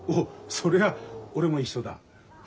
そりゃ俺も一緒だ。